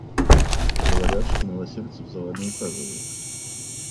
Говорят, что Новосельцев за Вами ухаживает.